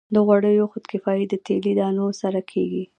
د غوړیو خودکفايي د تیلي دانو سره کیږي.